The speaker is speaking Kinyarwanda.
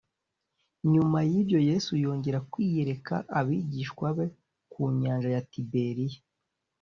nyuma y ibyo yesu yongera kwiyereka abigishwa be ku nyanja ya tiberiya